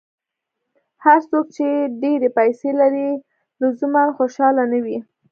هر څوک چې ډېرې پیسې لري، لزوماً خوشاله نه وي.